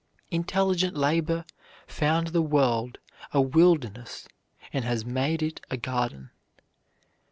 Intelligent labor found the world a wilderness and has made it a garden.